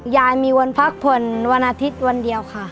ยายมีวันพักผ่อนวันอาทิตย์วันเดียวค่ะ